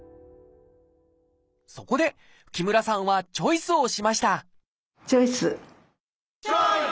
そこで木村さんはチョイスをしましたチョイス！